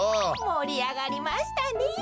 もりあがりましたねえ。